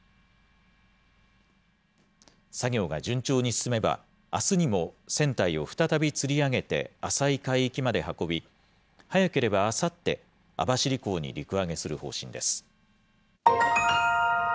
作業が順調に進めば、あすにも船体を再びつり上げて、浅い海域まで運び、早ければあさって、網走港に陸揚げする方針です。